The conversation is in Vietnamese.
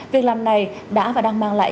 việc làm này đã và đang mang lại